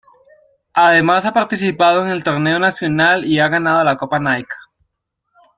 Además, ha participado en el Torneo Nacional y ha ganado la Copa Nike.